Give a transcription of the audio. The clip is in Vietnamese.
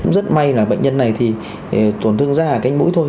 rất may là bệnh nhân này thì tổn thương da cánh mũi thôi